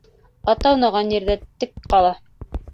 Ат аунаған ерҙә тек ҡала.